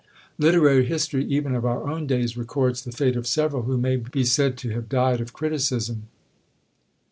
Literary history, even of our own days, records the fate of several who may be said to have died of Criticism.